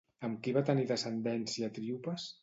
Amb qui va tenir descendència Tríopas?